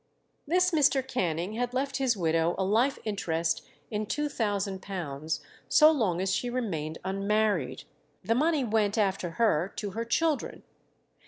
This Mr. Canning had left his widow a life interest in £2000 so long as she remained unmarried. The money went after her to her children.